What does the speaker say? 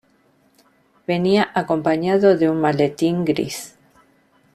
Venía acompañado de un maletín gris.